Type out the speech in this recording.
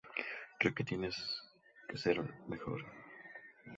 Creo que tiene que ser mejor.